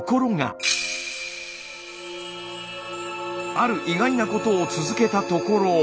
ある意外なことを続けたところ。